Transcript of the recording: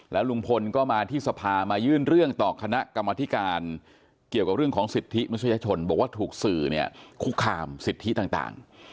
ลุงพลก็มาที่สภามายื่นเรื่องต่อคณะกรรมธิการเกี่ยวกับเรื่องของสิทธิมนุษยชนบอกว่าถูกสื่อเนี่ยคุกคามสิทธิต่าง